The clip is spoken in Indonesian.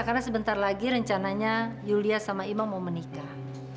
karena sebentar lagi rencananya yulia sama imam mau menikah